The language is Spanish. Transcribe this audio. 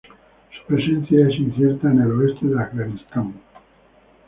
Su presencia es incierta en el oeste de Afganistán.